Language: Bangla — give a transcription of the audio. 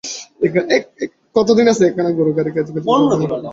একখানা গরুর গাড়ি ক্যাঁচু ক্যাঁচু শব্দে মাঠের পথের দিকে যাইতেছে।